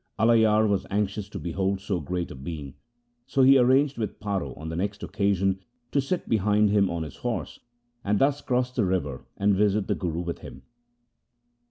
Alayar was anxious to behold so great a being, so he arranged with Paro on the next occasion to sit behind him on his horse, and thus cross the river and visit the Guru with him.